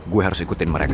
gue harus ikutin mereka